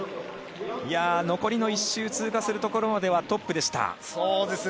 残り１周通過するところまではトップでした。